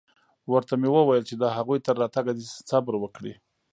ورته مې وويل چې د هغوى تر راتگه دې صبر وکړي.